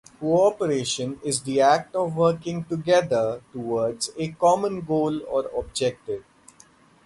Cooperation is the act of working together towards a common goal or objective.